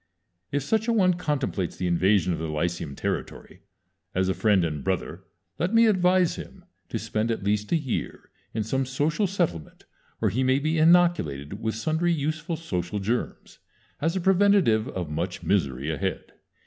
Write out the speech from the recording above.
If such a one contemplates the invasion of the lyceum territory, as a friend and brother let me advise him to spend at least a year in some social settlement where he may be inoculated with sundry useful social germs, as a preventive of much misery ahead.